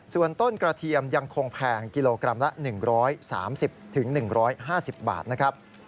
ส่วนต้นกระเทียมยังคงแพงกิโลกรัมละ๑๓๐๑๕๐บาทนะครับ